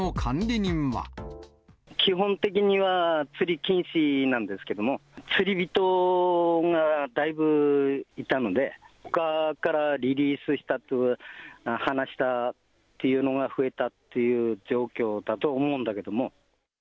基本的には釣り禁止なんですけども、釣り人がだいぶいたので、ほかからリリースした、放したっていうのが増えたっていう状況だと思うんだけども。